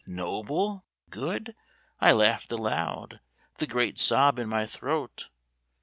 . "Noble? Good?" I laughed aloud, the great sob in my throat.